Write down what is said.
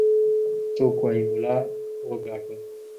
څوك وايي ملا وګاټه.